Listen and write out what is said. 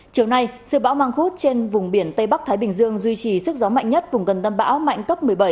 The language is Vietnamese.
chiều nay sự bão mang khúc trên vùng biển tây bắc thái bình dương duy trì sức gió mạnh nhất vùng gần tâm bão mạnh cấp một mươi bảy